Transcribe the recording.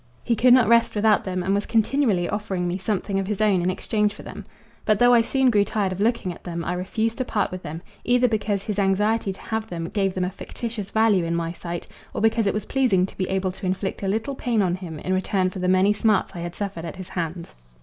He could not rest without them, and was continually offering me something of his own in exchange for them; but though I soon grew tired of looking at them I refused to part with them, either because his anxiety to have them gave them a fictitious value in my sight, or because it was pleasing to be able to inflict a little pain on him in return for the many smarts I had suffered at his hands.